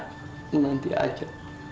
amba tenang nanti aja